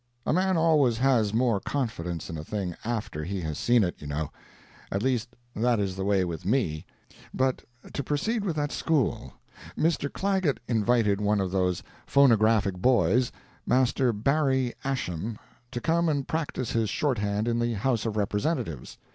A man always has more confidence in a thing after he has seen it, you know; at least that is the way with me. But to proceed with that school. Mr. Clagett invited one of those phonographic boys—Master Barry Ashim—to come and practice his short hand in the House of Representatives.